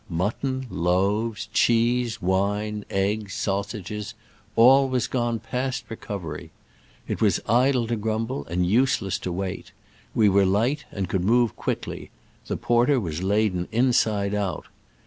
Mutton, loaves, cheese, wine, eggs, sausages — all was gone past recovery. It was idle to grum ble and useless to wait. We were light, and could move quickly — the porter was laden inside and out.